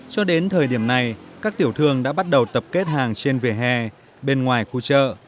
cho đến thời điểm này các tiểu thương đã bắt đầu tập kết hàng trên vỉa hè bên ngoài khu chợ